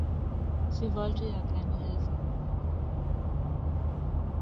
Sie wollte ja keine Hilfe.